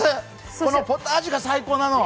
このポタージュが最高なの！